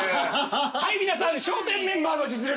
はい皆さん『笑点』メンバーの実力。